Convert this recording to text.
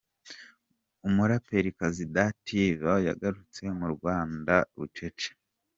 Umuraperikazi Dativa yagarutse mu Rwanda bucece